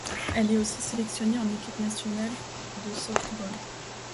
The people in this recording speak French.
Elle est aussi sélectionnée en équipe nationale de softball.